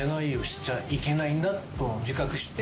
自覚して。